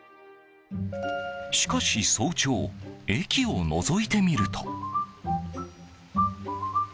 しかし、早朝駅をのぞいてみると。